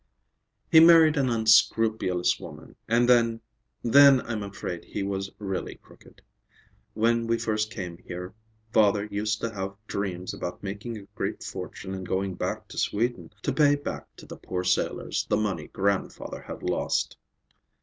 "He married an unscrupulous woman, and then—then I'm afraid he was really crooked. When we first came here father used to have dreams about making a great fortune and going back to Sweden to pay back to the poor sailors the money grandfather had lost."